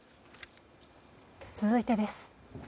続いてです。